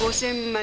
５０００万？